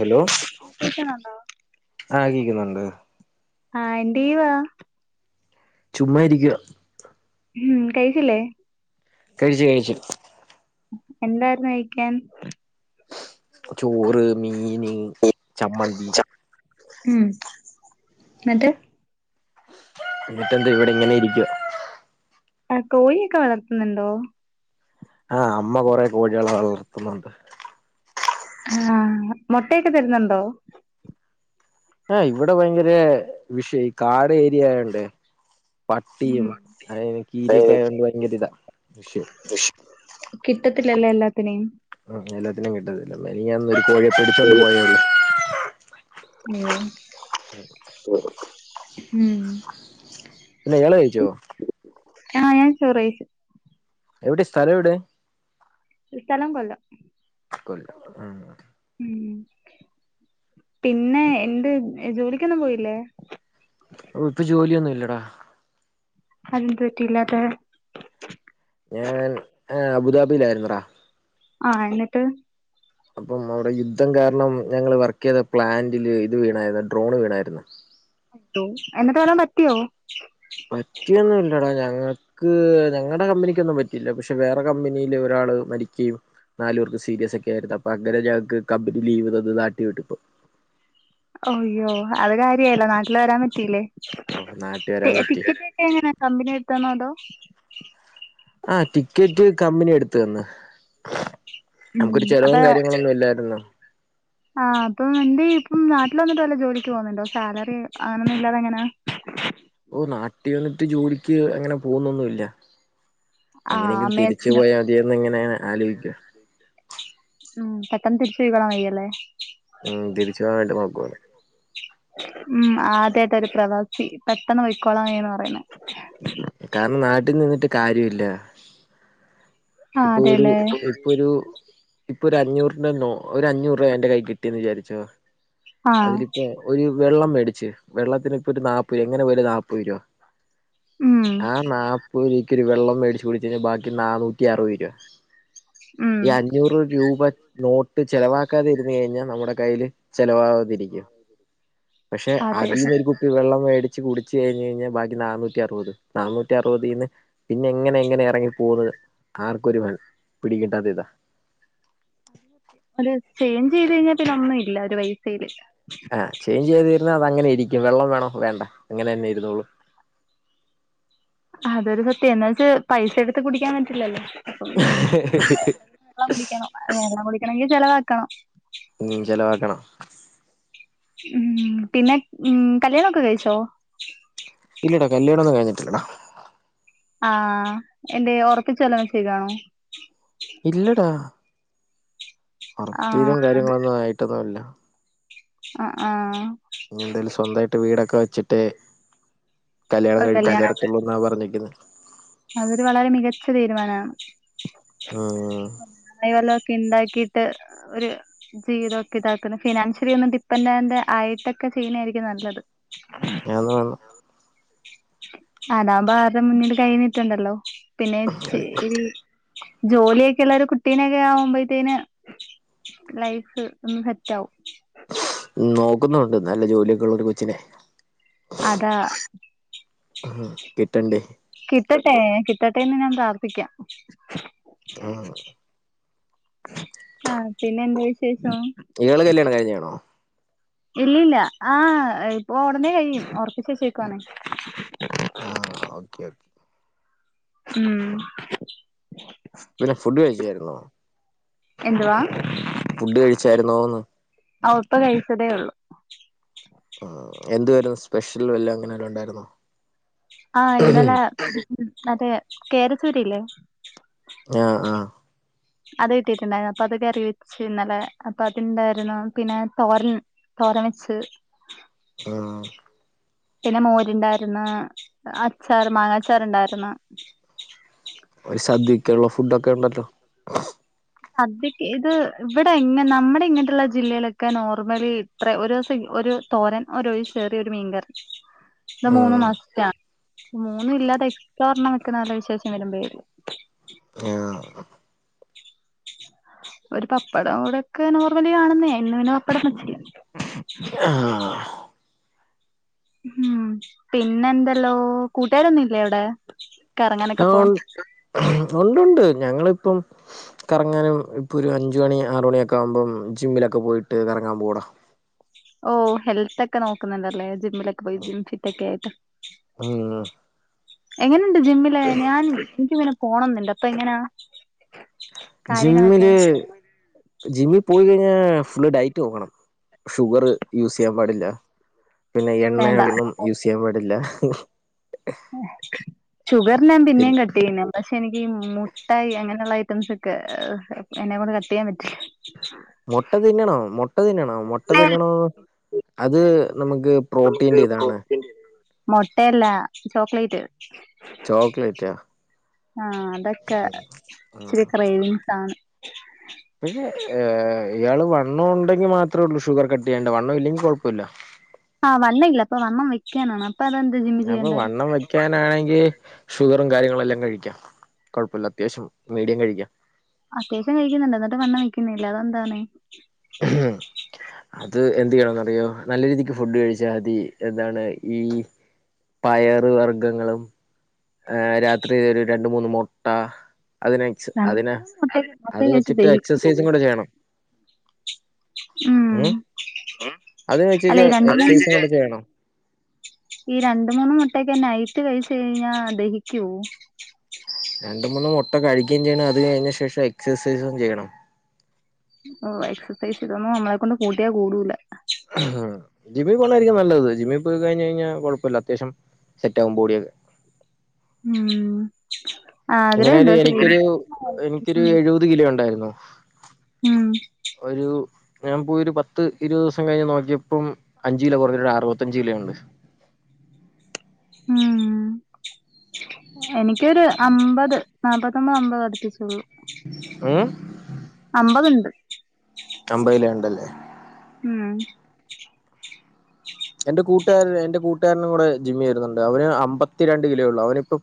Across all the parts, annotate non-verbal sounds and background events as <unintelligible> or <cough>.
Hello <unintelligible> ആഹ് കേക്കിന്നുണ്ട് ആഹ് എന്റീവ ചുമ്മാ ഇരിക്കുക ഉം കഴിച്ചില്ലേ കഴിച്ചു കഴിച്ചു എന്തായിരുന്നു കയിക്കാൻ ചോറ് മീന് ചമ്മന്തി ഉം നിട്ട് എന്നിട്ട എന്ത ഇവിടെ ഇങ്ങനെ ഇരിക്കുവ ആഹ് കോഴിയൊക്കെ വളർത്തുന്നുണ്ടോ ആഹ് അമ്മ കൊറെ കോഴികളെ വളർത്തുന്നുണ്ട് ആഹ് മോട്ടയൊക്കെ തരുന്നുണ്ടോ ആഹ് ഇവിടെ ഭയങ്കര വിഷയ ഈ കാട് ഏരിയയൊണ്ടേ ഉം പട്ടിയും കീരയൊക്കെ ആയോണ്ട് ഭയങ്കര ഇതാ ഇഷു കിട്ടത്തില്ല ല്ലേ എല്ലാത്തിനെയും ഓ എല്ലാത്തിനേം കിട്ടത്തില്ല മെനഞ്ഞാന്ന് ഒരു കോഴിയെ പിടിച്ചോണ്ട് പോയേള്ളൂ ഉം ഉം പിന്നെ യാള് കഴിച്ചോ ആഹ് ഞാൻ ചൊറയിച് എവിടെ സ്ഥലം എവിടെ സ്ഥലം കൊല്ലം കൊല്ലം <unintelligible> ഉം പിന്നെ എന്ത് ജോലിക്കൊന്നും പോയില്ലേ ഓ ക്ക്ജോലിയൊന്നും ഇല്ലടാ അതന്ത്റ്റി ല്ലാത്തെ ഞാൻ അബുദാബിയിലായിരുന്നടാ ആഹ് എന്നിട്ട് അപ്പം അവിടെ യുദ്ധം കാരണം ഞങ്ങള് വർക്ക് ചെയ്ത പ്ലാന്റില് ഇത് വീണായിരുന്നു ഡ്രോണ് വീണായിരുന് എന്നിട്ട് വരാൻ പറ്റിയോ പറ്റിയൊന്നുല്ലടാ ഞങ്ങക്ക് ഞങ്ങൾടെ കമ്പനിക്കൊന്നും പ ഇല്ല പക്ഷെ വേറെ കമ്പനിയില് ഒരാള് മരിക്കുകയും നാല് പർക്ക് സീരിയസ് ഒക്കെ ആയിരുന്നു അപ്പോ അങ്ങനെ ഞങ്ങക്ക് കമ്പനി ലീവ് തന്നതാ നാട്ടിൽ വിട്ടപ്പോ അയ്യോ അത്കാര്യായില്ലേ നാട്ടിൽ വരാൻ പറ്റില്ലേ നാട്ടി വരാൻ പറ്റി ടിക്കറ്റ്ക്കെ എങ്ങന കമ്പിനെ എടുത്ത് തന്നതോ ആഹ് ടിക്കറ്റ് കമ്പനി എടുത്ത് തന് ഉം നമുക്കൊരു ചെലവും അപ്പൊ കാര്യങ്ങളൊന്നും ഇല്ലായിരുന്നോ ആഹ് അപ്പം ന്റെ ഇപ്പം നാട്ടിൽ വന്നിട്ട് വല്ല ജോലിക്ക് പോകുന്നുണ്ടോ സാലറി അങ്ങനൊന്നും ഇല്ലാതെ ങ്ങനയ <unintelligible> ഓഹ് നാട്ടിൽ വന്നിട്ട് ജോലിക്ക് അങ്ങന പോകുന്നൊന്നുല്ല ആഹ് എങ്ങനെയെങ്കിലും തിരിച്ചു അമ്മയച്ചനും പോയാ മതിയെന്ന് ഇങ്ങനെ നെ ആലോയിക്ക <inaudible> മം പെട്ടന്ന് തിരിച്ച് പോയി കളാൻ വയ്യല്ലേ തിരിച്ചു പോകാൻ നല്ല കൊഴപ്പോണ് മം ആദ്യായിട്ട ഒരു പ്രവാസി പെട്ടെന്ന് പോയിക്കോളാന്ന് പറയുന്നേ കാരണം നാട്ടിൽ നിന്നിട്ട് കാര്യോല്ല്യ ആഹ് ഇപ്പൊ ഒരു അതെല്ലേ ഇപ്പൊ ഒരു ഇപ്പൊ ഒരു അഞ്ഞൂറിന്റെ നോ ഒരു അഞ്ഞൂറ് രൂപ എന്റെ കൈ കിട്ടിയെന്ന് വിചാരിച്ചോ ആഹ് അതിൽ ഒരു വെള്ളം മേടിച്ച് വെള്ളത്തിന് ഇപ്പൊ ഒരു നാപ്പൊരു എങ്ങനെ പോയാലും നാപ്പൊരു രൂപ ഉം ആഹ് നാപ്പത് രൂപക്കി ഒര് വെള്ളം മേടിച്ച് കുടിച്ചക്കഴിഞ്ഞാ ബാക്കി നാന്നൂ നൂറ്റി അറുപത് രൂപ ഉം ഈ അഞ്ഞൂറ് രൂപ നോട്ട് ചെലവാക്കാതിരുന്ന് കഴിഞ്ഞാൽ നമ്മുടെ കയ്യിൽ ചിലവാ രിക്കും പഷേ അതെ അതീന്നൊരു കുപ്പി വെള്ളം മേടി ച്ച് കുടിച്ച് കഴിഞ്ഞഴിഞ്ഞാ ബാക്കി നാനൂറ്റി അറുപത് നാനൂറ്റി അറുവതിന്ന്.. പിന്നെ എങ്ങനെ എങ്ങനെയെങ്ങനെ എറങ്ങി പോന്നത്. ആർക്കും ഒരുവൻ പിടി കിട്ടാത്തെ ഇതാ. അത് ചെയ്ഞ്ച് ചെയ്ത് കഴിഞ്ഞാ പിന്നൊ ഇല്ല ഒരു പൈസയില്. ആ, ചെയ്ഞ്ച് ചെയ്യാതിരുന്ന അത്‌ അങ്ങനെ ഇരിക്കും വെള്ളം വേണോ വേണ്ട അങ്ങനെന്നെ ഇരുന്നോളും അതൊരു സത്യം എന്നാ വെച്ച് പൈസ എടുത്ത് കുടിക്കാൻ പറ്റില്ലല്ലോ. വെള്ളം കുടിക്കെണം വെള്ളം കുടിക്കണങ്കി ചെലവാക്കണം. ഉം ചെലവാക്കണം.. മ്ഹ്, പിന്നെ ഉം കല്യാണൊക്കെ കഴിച്ചോ. ഇല്ലടാ കല്യാണൊന്ന് കഴിഞ്ഞിട്ടില്ലട. ആഹആ എന്തേ ഒറപ്പിച്ച് വല്ലോം വെച്ചേകാണോ.. ഇല്ലടാ. ആഹ് ഒറപ്പീലും കാര്യങ്ങളൊന്നു ആയിട്ടൊന്നുംല്ല ആഹ് ആഹാ ഇനിന്തായാലും സ്വന്തായിട്ട് വീടൊക്കെ വെച്ചിട്ടെ കല്ല്യാണം ഒരു കഴിപ്പിച് കല്യാണം തരത്തുള്ളൂ. ന്നാ പറഞ്ഞേക്കുന്നേ. അതൊരു വളരെ മികച്ച തീരുമാനണ്. ആഹ് കായി വല്ലതൊക്കെ ഇണ്ടാക്കിട്ട് ഹ് ഒരു. ജീവിതം ഓക്കെ ഇതാക്കന്ന് ഫിനാൻഷ്യലി ഒന്ന് ഡിപ്പെൻഡൻറ് ആയിട്ടൊക്കെ ചെയ്യിണായിരിക്കും നല്ലത്. അതാണ് അതാവുമ്പ ആര്ടെ മുന്നില് കൈന്നീട്ടണ്ടല്ലോ. പിന്നെ ജീ ഈ ജോലിയൊക്കെള്ളൊരു കുട്ടീനൊക്കെ ആവുമ്പോഴത്തേന്. ലൈഫ് ഒന്ന് സെറ്റാവും. നോക്കുന്നുണ്ട് നല്ല ജോലിയൊക്കെള്ള ഒരു കൊച്ചിനെ. അതാ. ആഹ് കിട്ടണ്ടേ. കിട്ടട്ടെ കിട്ടട്ടേന്ന് ഞാൻ പ്രാർത്ഥിക്കാം ഉം ആ, പിന്നെന്താ വിശേഷം. ഇയാള് കല്യാണം കഴിഞ്ഞാണോ. ഇല്ലല്ല ആഹ ഇപ്പൊ ഒടനെ കഴിയും ഒറപ്പിചെചേകുവാണ്.. ആഹ ഓക്കെ ഉം പിന്നെ ഫുഡ് കഴിചാര്ന്നോ എന്തുവാ. ഫുഡ് കഴിച്ചാര്ന്നോന്ന്. ആ, ഇപ്പം കഴിച്ചതേഒള്ളൂ. എന്തുവാര്ന്നു സ്പെഷ്യൽ വല്ല അങ്ങനൊല്ലോണ്ടായിരുന്നോ... ആഹ, ഇന്നലെ അതേ കേരച്ചൂരയില്ലേ.. ഞ്ഞ. ആഹ.. അത് കിട്ടിട്ടുണ്ടായിരുന്നു അപ്പൊ അതക്കെ അറി വെച്ച് ഇന്നലെ അപ്പൊ അതിണ്ടായിരുന്നു പിന്നെ തോരൽ.. തോരം വെച്ച്. ആഹ. പിന്നെ മോരിണ്ടായിര്ന്ന് അച്ചാർ മാങ്ങ അച്ചാർ ഇണ്ടായിര്ന്ന്.. ഒരു സദ്യക്കുള്ള ഫുഡോക്കെണ്ടല്ലോ.. സദ്യക്ക് ഇത് ഇവിടെ എങ്ങെ നമ്മുടെ ഇങ്ങൻട്ട്ള്ള ജില്ലയിലൊക്കെ നോർമലി.. ത്രേ ഒരുസം ഒരു തോരൻ ഒഴി ചെറിയൊരു. മീൻകറി.. ഇത് മൂന്നും ആഹ് മഷ്റ്റ മൂന്നും ഇല്ലാതെ എസ് ചോർണ്ണ നിക്കുന്ന അലോ വിശേഷം വരുബേ ഒള്ളു.. മ്യാഹ. ഒരു പപ്പടം ഇവിടെക്കെ നോർമലിയാണെന്നേ ഇന്ന് പിന്നെ പപ്പടം വചിട്ടില്ല. <inaudible> ആഹ് ഉം പിന്നെന്തല്ലോ കൂട്ടുകാരൊന്നുല്ലേ അവിടെ കറങ്ങാനൊക്കെ പോവാൻ ഉണ്ട്ണ്ട് ഞങ്ങളിപ്പം കറങ്ങാനും ഇപ്പൊ ഒരു അഞ്ച് മണി ആറു മണിയൊക്കാവുമ്പം ജിമ്മിലൊക്കെ പോയിട്ട് കറങ്ങാൻ പോവുട ഓ ഹെൽതോക്കെ നോക്കുന്നുണ്ടല്ലേ ജിമ്മിലൊക്കെ പോയി ജിം ഫിറ്റൊക്കെ ആയിട്ട് ഉം എങ്ങനെണ്ട് ജിമ്മില് ഞാൻ എനിക്ക്ങ്ങനെ പോണംന്നുണ്ട് അപ്പോ എങ്ങനാ കാര്യങ്ങളൊക്കെ ജിമ്മില് ജിമ്മി പോയി കഴിഞ്ഞാ ഫുള്ള് ഡയറ്റ് നോക്കണം ഷുഗർ യൂസ് ചെയ്യാൻ പാടില്ല പിന്നെ വേണ്ട എണ്ണയൊന്നും യൂസെയ്യാൻ പാടില്ല ഷുഗർ ഞാൻ പിന്നേയും കട്ട് പിന്നെ പക്ഷെ എനിക്കീ മുട്ടായി അങ്ങനെയുള്ള ഐറ്റംസൊക്കെ എന്നെ കൊണ്ട് കട്ട് ചെയ്യാൻ പറ്റില്ല മൊട്ട തിന്നണം മൊട്ട തിന്നണം മൊട്ട തിന്നണോ അത് നമ്മക്ക് പ്രോട്ടീന്റെ ഇതാണ് മൊട്ടയല്ല ചോക്ലേറ്റ് ചോക്ലേറ്റ ആഹ് അതൊക്കെ ഉം ഇച്ചിരി ക്രെവിങ്സാണ് ഏ ഇയാള് വണ്ണം ഉണ്ടെങ്കി മാത്രേള്ളൂ ഷുഗർ കട്ടെയ്യണ്ടെ വണ്ണവില്ലെങ്കി കുഴപ്പവില്ല ആഹ് വണ്ണയില്ല അപ്പൊ വണ്ണം വെക്കാനാണ് ഇപ്പനന്തു ജിം അപ്പൊ വണ്ണം വെക്കാനാണെങ്കി ഷുഗറും കാര്യങ്ങളെല്ലാം കഴിക്കാം കുഴപ്പല്ല അത്യാവശ്യം മീഡിയം കഴിക്കാം അത്യാവശ്യം കഴിക്കുന്നുണ്ട് എന്നിട്ട് വണ്ണം വെക്കുന്നില്ല അതെന്താണ് ഹം അത് എന്ത് ചെയ്യണറിയോ നല്ല രീതിക്ക് ഫുഡ് കഴിച്ചാതി എന്താണ് ഈ പയറ് വർഗങ്ങളും ആ രാത്രി ഒരു രണ്ട് മൂന്ന് മൊട്ട അതിനെ <inaudible> എക്സസൈസും കൂടെ ചെയ്യണം ഉം അത് അല്ല വെച്ച് ഈ രണ്ട എക്സസൈസും കൂടെ ചെയ്യണം ഈ രണ്ട് മൂന്ന് മുട്ടൊയോക്കെ നൈറ്റ് കഴിച്ച് കഴിഞ്ഞാ ദഹിക്കോ? രണ്ട് മൂന്ന് മുട്ട കഴിക്കയും ചെയ്യണം അത് കഴിഞ്ഞ ശേഷം എക്സസൈസും ചെയ്യണം ഓ എക്സസൈസ് ഇതൊന്നും നമ്മളെ കൊണ്ട് കൂട്ടിയാ കൂടൂല ജിമ്മി പോണായിരിക്കും നല്ലത് ജിമ്മി പോയി കഴിഞ്ഞഴിഞ കുഴപ്പല്ല അത്യാവ്യം സെറ്റ് ആകും ബോഡിയൊക്കെ ഉം ആഗ്രഹണ്ടോ എങ്ങനായാലും ചെയ്യാൻ എനിക്കൊരു എനിക്കൊരു എഴുപത് കിലോ ഉണ്ടായിരുന്നു ഉം പ ഒരു ഞാൻ പോയി ഒരു പത്ത് ഇരുപത് ദിവസം കഴിഞ്ഞ് നോക്കിയപ്പം അഞ്ച് കിലോ കുറഞ്ഞൊരു അറുപത്തഞ്ച് കിലോ ഉണ്ട് ഉം എനിക്കൊരു അമ്പത് നാല്പത്തൊമ്പത് അമ്പത് അടുപ്പിച്ചോള്ളൂ ഉം അമ്പത്ണ്ട് അമ്പത് കിലോണ്ടല്ലേ ഉം എന്റെ കൂട്ടുകാരൻ എന്റെ കൂട്ടുകാരനും കൂടെ ജിമ്മി വരുന്നുണ്ട് അവന് അമ്പത്തിരണ്ട് കിലോയുള്ളൂ അവനിപ്പം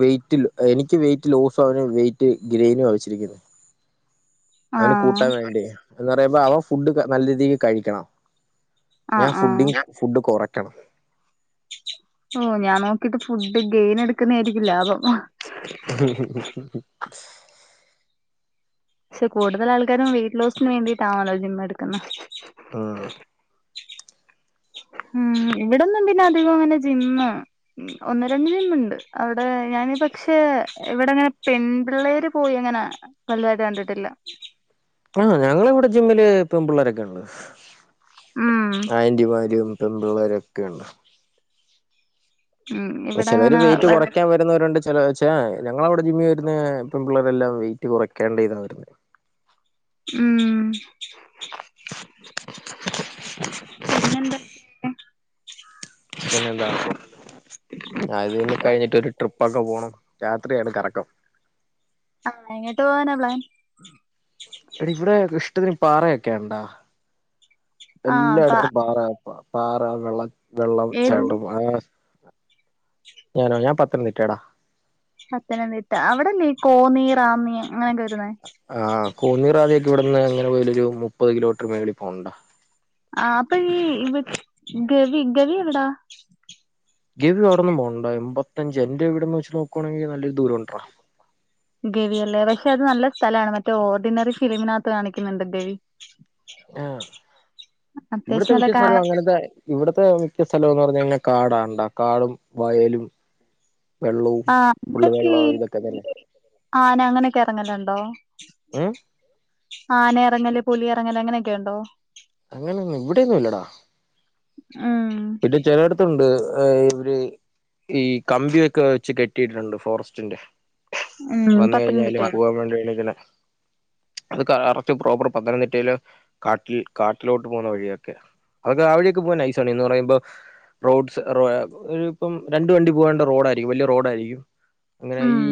വെയിറ്റ്ല്ല എനിക്ക് വെയിറ്റ് ലോസും അവന് വെയിറ്റ് ഗെയ്നുവാ വച്ചിരിക്കുന്നെ അവന് ആഹ് കൂട്ടാൻ വേണ്ടി എന്ന് പറയുമ്പ അവൻ ഫുഡ് നല്ല രീതിക്ക് കഴിക്കണം ഞാൻ ആഹ് ഫുഡിങ്‌ ഫുഡ് കുറക്കണം ഓഹ് ഞാൻ നോക്കിട്ട് ഫുഡ് ഗെയിൻ എടുക്കുന്നെയിരിക്കും ലാഭം ക്ഷെ കൂടുതൽ ആൾക്കാരും വെയിറ്റ് ലോസിനു വേണ്ടിയിട്ടാണല്ലോ ജിം എടുക്കുന്നേ ഉം ഉം ഇവിടൊന്നും പിന്നെ അധികം അങ്ങനെ ജിമ്മ് ഉം ഒന്ന് രണ്ട് ജിമ്മുണ്ട് അവിടെ ഞാന് പക്ഷേ ഇവിടങ്ങനെ പെൺപിള്ളേര് പോയി അങ്ങനെ വലുതായിട്ട് കണ്ടിട്ടില്ല ആഹ് ഞങ്ങടിവിടെ ജിമ്മിലെ പെൺപിള്ളേരൊക്കെയൊണ്ട് ഉം ആന്റിമാരും പെൺമ്പിള്ളേരൊക്കെയുണ്ട് ഉം ക്ഷേ ഇവിടെ ചെലര് അങ്ങനെ വെയിറ്റു കുറയ്ക്കാ വരുന്നവരുണ്ട് ചില ച് ആഹ് ഞങ്ങളവിടെ ജിമ്മി വരുന്നേ പെൺമ്പിള്ളേരെല്ലാം വെയിറ്റ് കുറയ്ക്കേണ്ട ഇതാ വരുന്നേ ഉം പിന്നെന്താ പിന്നെന്താണ് അതിനി കഴിഞ്ഞിട്ടൊരു ട്രിപ്പൊക്കെ പോണം രാത്രിയാണ് കറക്കം ആഹ് എങ്ങാട്ട് പോവാനാ പ്ലാൻ എടെ ഇവിടെ ഇഷ്ട്ടത്തിന് പാറയൊക്കെയൊണ്ടോ ആഹ് അപ്പ എല്ലാടത്തും പാറ പാറ വെള്ള വെള്ളം ഏത് ചട്ടം ജില്ല ആഹ് ഞാനോ ഞാൻ പത്തനംതിട്ടെടാ പത്തനംതിട്ട അവിടല്ലേ ഈ കോന്നി റാന്നി അങ്ങനൊക്കെ വരുന്നേ ആഹ് കോന്നി റാന്നി ഒക്കെ ഇവിടുന്ന് എങ്ങനെ പോയാലുമൊരു മുപ്പത് കിലോമീറ്റർ മേളിൽ പോണം ടാ ആഹ് അപ്പ ഈഹ് ഗവി ഗവി എവിടാ ഗവി അവിടൊന്നും പോണ്ടാ എമ്പത്തഞ്ച് എന്റെ വീടെന്ന് വെച്ച് നോക്കുവാണെങ്കി നല്ലൊരു ദൂരം ഉണ്ട്രാ <unintelligible> ഗവി അല്ലേ പക്ഷെ അത് നല്ല സ്ഥലാണ് മറ്റേ ഓർഡിനറി ഫിലിമിനകത്ത് കാണിക്കുന്നുണ്ട് ഗവി ആഹ് അത്യാവശ്യം ഇവിടുത്തെ നല്ല മിക്ക കാ സ്ഥലവും അങ്ങനത്തെ ഇവിടുത്തെ മിക്ക സ്ഥലം എന്നു പറഞ്ഞ് കഴിഞ്ഞാ കാടാണ്‌ടാ കാടും വയലും വെള്ളവും ഫുള്ള് ആഹ് വെള്ളവും ഇതൊക്കെ തന്നെ <inaudible> ആന അങ്ങനൊക്കെ ഇറങ്ങലൊണ്ടോ ഉം ആന ഇറങ്ങല് പുലി ഇറങ്ങല് അങ്ങനൊക്കെയുണ്ടോ അങ്ങനൊന്നും ഇവിടെന്നും ഇല്ലെടാ ഉം പിന്നെ ചെലട ത്തുണ്ട് ഏഹ് ഇവരെ ഈ കമ്പിയൊക്കെ വെച്ച് കെട്ടിയിട്ടുണ്ട് ഫോറസ്റ്റിന്റെ ഉം വന്നു കഴിഞ്ഞാലും പത്തനംതിട്ടയില് പോവാൻ വേണ്ടി <unintelligible> അത് കറക്റ്റ് പ്രോപ്പർ പത്തനംതിട്ടയില് കാട്ടിൽ കാട്ടിലോട്ട് പോന്ന വഴിയൊക്കെയാ അത് ആ വഴിയൊക്കെ പോവാൻ നൈസാണെ എന്നു പറയുമ്പാ റോഡ് സ് റുവാ ഏഹ് ഒരു ഇപ്പം രണ്ടു വണ്ടി പോകേണ്ട റോഡാരിക്കും വലിയ റോഡാരിക്കും എങ്ങനെ ഉം ഈ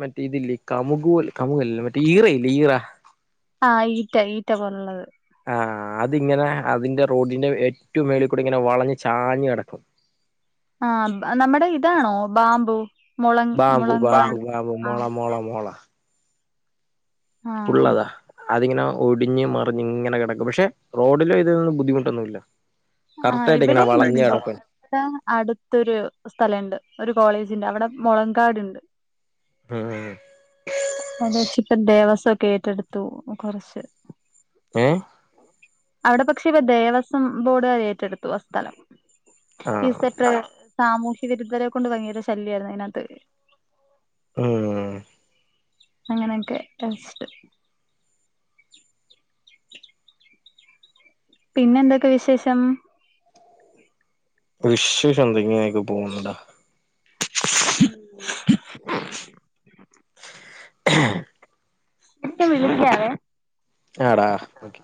മറ്റേ ഇതില്ലേ കമുകു പോൽ കമുകല്ല മറ്റേ ഈറയില്ലേ ഈറ ആഹ് ഈറ്റ ഈറ്റ പോലൊള്ളത് ആഹ് അതിങ്ങനെ അതിന്റെ റോഡിന്റെ ഏറ്റവും മേളിക്കൂടിങ്ങനെ വളഞ്ഞ് ചാഞ്ഞ് കെടക്കും ആഹ് നമ്മുടെ ഇതാണോ ബാംബൂ മുളങ്‌ ബാമ്പു മുളങ് ബാമ്പു ബാമ്പു മോള ആഹ് മോള മോള ആഹ് ഫുള്ളതാ അതിങ്ങനെ ഒടിഞ്ഞ് മറിഞ്ഞ് ഇങ്ങനെ കെടക്കും പക്ഷെ റോഡിലു ഇതിനൊന്നും ബുദ്ധിമുട്ടൊന്നുമില്ല കറക്റ്റായിട്ടിങ്ങനെ വളഞ്ഞു കെടക്കും ഇവി അടുത്തൊരു സ്ഥലണ്ട് ഒരു കോളേജിന്റെ അവിടം മൊളങ്കാടുണ്ട് ഉം അതേച്ചിപ്പം ദേവസ്വൊക്കെ ഏറ്റെടുത്തു കൊറച്ചെ ഏഹ് അവിടെ പക്ഷേപ്പം ദേവസ്വം ബോർഡുകാരെ ഏറ്റെടുത്തു ആ സ്ഥലം ആ ഈസറ്റെ സാമൂഹ്യ വിരുദ്ധരെ കൊണ്ട് ഭയങ്കര ശല്യായിരുന്നു അയിനത്ത് ഉം അങ്ങനൊക്കെ ടെസ്റ്റെ പിന്നെന്തൊക്കെയാ വിശേഷം വിശ്ശെഷം എന്തെ ഇങ്ങനൊക്കെ പോന്നെടാ <inaudible> <inaudible> ഇപ്പം വിളിക്കാവേ. ആടാ ഓക്കെ.